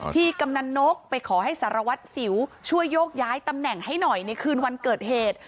กำนันนกไปขอให้สารวัตรสิวช่วยโยกย้ายตำแหน่งให้หน่อยในคืนวันเกิดเหตุ